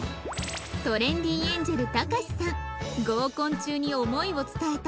トレンディエンジェルたかしさん合コン中に思いを伝えた